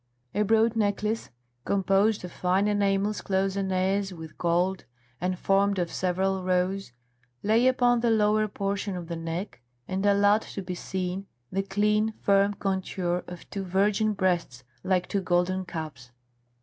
A broad necklace, composed of fine enamels cloisonnés with gold and formed of several rows, lay upon the lower portion of the neck, and allowed to be seen the clean, firm contour of two virgin breasts like two golden cups.